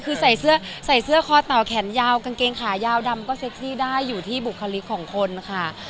คือใส่เสื้อใส่เสื้อคอเต่าแขนยาวกางเกงขายาวดำก็เซ็กซี่ได้อยู่ที่บุคลิกของคนค่ะ